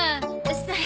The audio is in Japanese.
それ